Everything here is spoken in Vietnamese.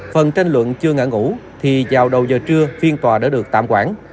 phần tranh luận chưa ngã ngủ thì vào đầu giờ trưa phiên tòa đã được tạm quản